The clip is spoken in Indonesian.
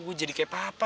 gue jadi kayak papa ya